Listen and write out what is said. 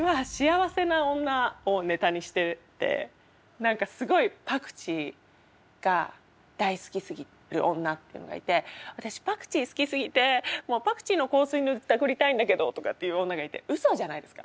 何かすごいパクチーが大好きすぎる女というのがいて「私パクチー好きすぎてもうパクチーの香水塗りたくりたいんだけど」とかっていう女がいてうそじゃないですか。